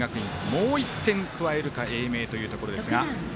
もう１点加えるか英明というところですが。